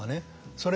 それ